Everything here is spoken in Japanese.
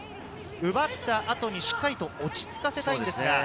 奪ったあとにしっかり落ち着かせたいのですが。